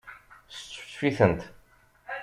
Sčefčef-itent.